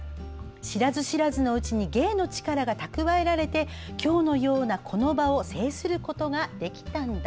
知らず知らずのうちに芸の力が蓄えられて、今日のようなこの場を制することができたんだ。」